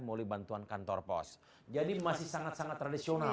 melalui bantuan kantor pos jadi masih sangat sangat tradisional